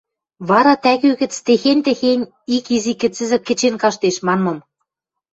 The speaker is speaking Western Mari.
Вара тӓгӱ гӹц «Тӹхень-техень ик изи кӹцӹзӹ кӹчен каштеш» манмым